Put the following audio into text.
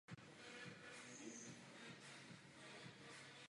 Na klavír se začal učit ve svých pěti letech.